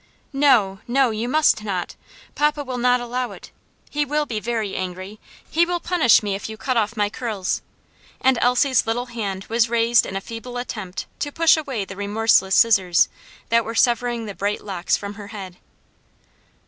"No, no, you must not! Papa will not allow it he will be very angry he will punish me if you cut off my curls!" and Elsie's little hand was raised in a feeble attempt to push away the remorseless scissors that were severing the bright locks from her head.